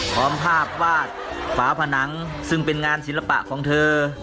ภาพวาดฝาผนังซึ่งเป็นงานศิลปะของเธอ